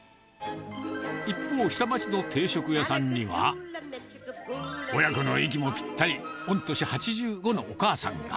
一方、下町の定食屋さんには、親子の息もぴったり、御年８５のお母さんが。